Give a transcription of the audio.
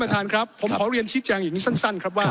ท่านประธานครับครับผมขอเรียนชิดอย่างอย่างนี้สั้นสั้นครับว่า